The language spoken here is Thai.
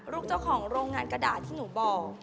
เจ้าของโรงงานกระดาษที่หนูบอก